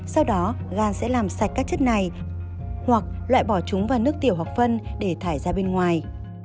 sau đó gan sẽ làm sạch các chất này hoặc loại bỏ chúng và nước tiểu học phân để thải ra bên ngoài